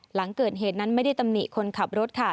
หลังเกิดเหตุนั้นไม่ได้ตำหนิคนขับรถค่ะ